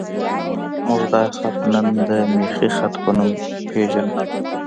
موږ دا خط نن د میخي خط په نوم پېژنو.